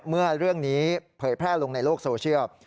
เมื่อเรื่องนี้เผยแพร่ลงในโลกโซเชียล